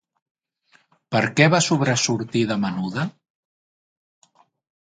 Per què va sobresortir de menuda?